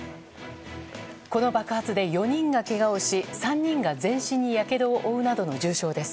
この爆発で４人がけがをし３人が全身にやけどを負うなどの重傷です。